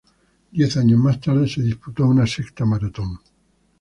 Diez años más tarde se disputó una sexta maratón.